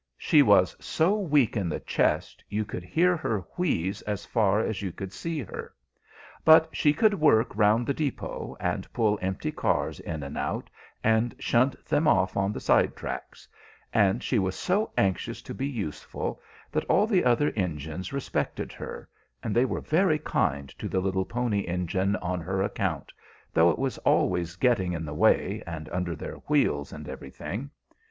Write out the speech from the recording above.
She was so weak in the chest you could hear her wheeze as far as you could see her. But she could work round the depot, and pull empty cars in and out, and shunt them off on the side tracks; and she was so anxious to be useful that all the other engines respected her, and they were very kind to the little Pony Engine on her account, though it was always getting in the way, and under their wheels, and everything.